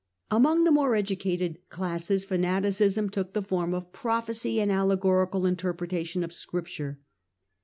Amongst the more educated classes fanaticism took the form of prophecy and allegorical interpretation of Scripture.